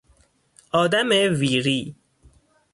آدم ویری